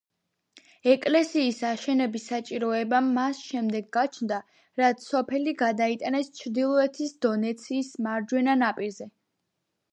ეკლესიის აშენების საჭიროება მას შემდეგ გაჩნდა, რაც სოფელი გადაიტანეს ჩრდილოეთის დონეცის მარჯვენა ნაპირზე.